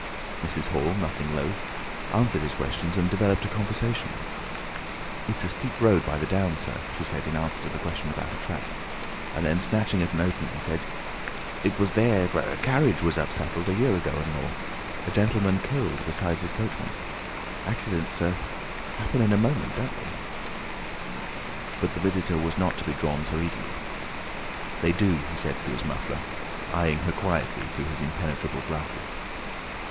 Mrs. Hall, nothing loath, answered his questions and developed a conversation. "It's a steep road by the down, sir," she said in answer to the question about a trap; and then, snatching at an opening, said, "It was there a carriage was upsettled, a year ago and more. A gentleman killed, besides his coachman. Accidents, sir, happen in a moment, don't they?" But the visitor was not to be drawn so easily. "They do," he said through his muffler, eyeing her quietly through his impenetrable glasses.